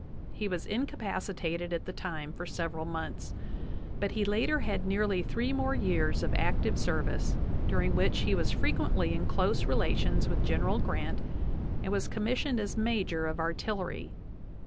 He was incapacitated at the time for several months; but he later had nearly three more years c\f active service, during which he was frequently in close re lations with General Grant and was commissioned as major of artillery.